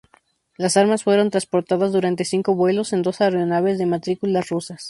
Las armas fueron transportadas, durante cinco vuelos, en dos aeronaves de matrículas rusas.